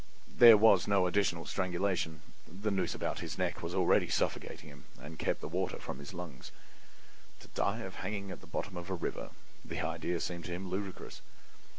There was no additional strangulation; the noose about his neck was already suffocating him and kept the water from his lungs. To die of hanging at the bottom of a river!—the idea seemed to him ludicrous.